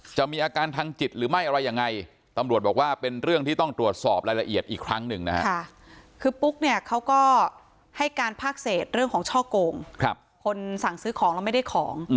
มีอาการทางจิตหรือไม่อะไรยังไงตำรวจบอกว่าเป็นเรื่องที่ต้องตรวจสอบรายละเอียดอีกครั้งหนึ่งนะฮะคือปุ๊กเนี่ยเขาก็ให้การภาคเศษเรื่องของช่อโกงคนสั่งซื้อของแล้วไม่ได้ของ